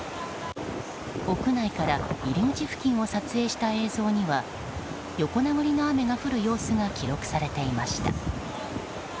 屋内から入り口付近を撮影した映像には横殴りの雨が降る様子が記録されていました。